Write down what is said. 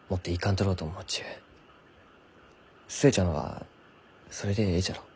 寿恵ちゃんはそれでえいじゃろう？